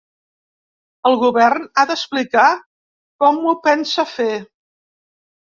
El govern ha d’explicar com ho pensa fer.